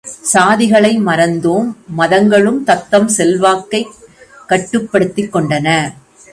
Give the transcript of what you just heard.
சாதிகளை மறந்தோம் மதங்களும் தத்தம் செல்வாக்கைக் கட்டுப்படுத்திக் கொண்டன.